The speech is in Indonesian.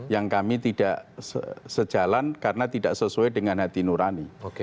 yang kami tidak sejalan karena tidak sesuai dengan hati nurani